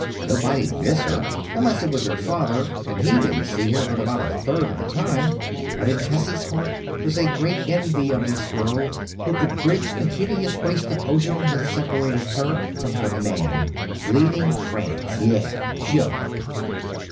Nobody'd miss her, unless it was her father, and he didn't see her but about a third of the time. But in Tessie's heart was a great envy of this girl who could bridge the hideous waste of ocean that separated her from her man. Bleeding France. Yeh! Joke!